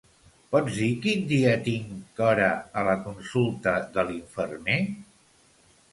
Pots dir quin dia tinc hora a la consulta de l'infermer?